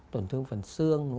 tổn thương phần xương